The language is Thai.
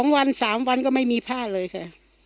๒วัน๓วันก็ไม่มีผ้าเลยค่ะ